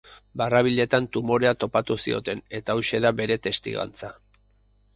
Barrabiletan tumorea topatu zioten eta hauxe da bere testigantza.